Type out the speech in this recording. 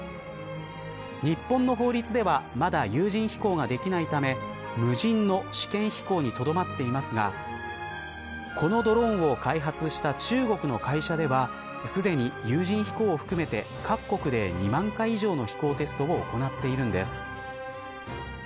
日本の法律ではまだ有人飛行ができないため無人の試験飛行にとどまっていますがこのドローンを開発した中国の会社ではすでに有人飛行を含めて各国で２万回以上の飛行テストを行っているんです。